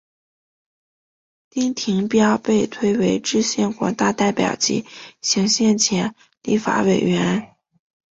丁廷标被推为制宪国大代表及行宪前立法委员。